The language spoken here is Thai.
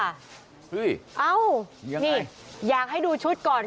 เอ้านี่อยากให้ดูชุดก่อน